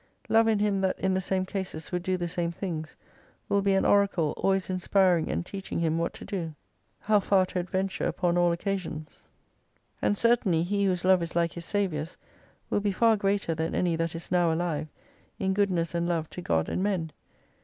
Love in him that in the same cases would do the same things, will be an oracle always inspiring and teaching him what to do : liow far to adventure upon all occasions. And cer 281 tainly he whose love is like his Saviour's, will be far greater than any that is now alive, in goodness and love to God and men.